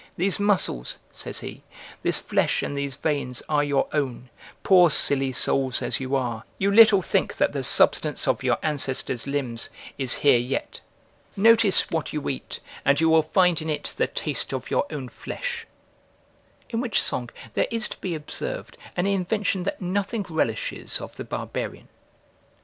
These muscles," says he, "this flesh and these veins, are your own: poor silly souls as you are, you little think that the substance of your ancestors' limbs is here yet; notice what you eat, and you will find in it the taste of your own flesh:" in which song there is to be observed an invention that nothing relishes of the barbarian.